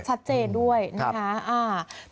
ชัดเจนด้วยนะคะ